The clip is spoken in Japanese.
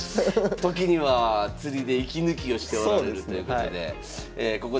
時には釣りで息抜きをしておられるということで。